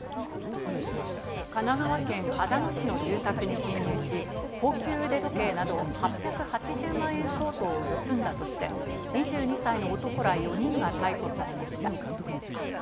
神奈川県秦野市の住宅に侵入し、高級腕時計など８８０万円相当を盗んだとして、２２歳の男ら４人が逮捕されました。